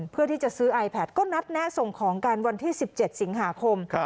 เพื่อที่จะซื้อไอแพทก็นัดแนะส่งของกันวันที่๑๗สิงหาคม